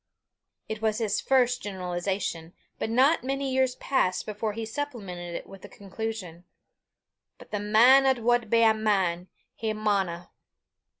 It was his first generalization, but not many years passed before he supplemented it with a conclusion: "But the man 'at wad be a man, he maunna."